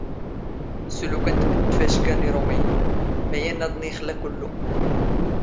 ⵙⵓⵍ ⵓⴽⴰⵏ ⵜⴱⴷⴷ ⵜⴼⴰⵛⴳⴰ ⵏ ⵉⵕⵓⵎⵉⵢⵏ. ⵎⴰⵢⴰⵏⵏ ⴰⴹⵏ ⵉⵅⵍⴰ ⴽⵓⵍⵍⵓ.